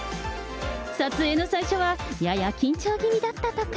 撮影の最初は、やや緊張気味だったとか。